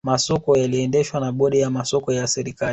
masoko yaliendeshwa na bodi ya masoko ya serikali